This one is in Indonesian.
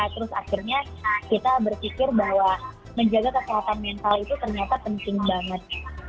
terus akhirnya kita berpikir bahwa menjaga kesehatan mental itu ternyata penting banget